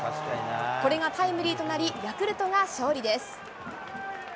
これがタイムリーとなり、ヤクルトが勝利です。